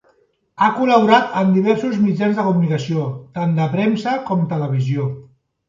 Ha col·laborat en diversos mitjans de comunicació, tant de premsa com televisió.